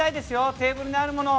テーブルにあるものを。